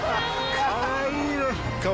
かわいいな。